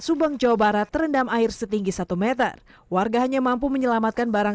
subang jawa barat terendam air setinggi satu meter warga hanya mampu menyelamatkan barang